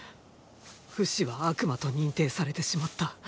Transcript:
フシは悪魔と認定されてしまった。